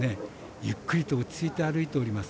ゆっくりと落ち着いて歩いております。